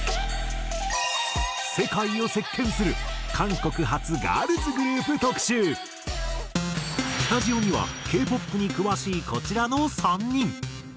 世界を席巻するスタジオにはＫ−ＰＯＰに詳しいこちらの３人。